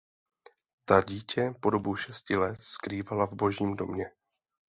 Ta dítě po dobu šesti let skrývala v Božím domě.